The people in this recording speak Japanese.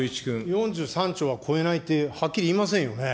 ４３兆は超えないって、はっきり言いませんよね。